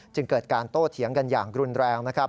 จึงเกิดการโต้เถียงกันอย่างรุนแรงนะครับ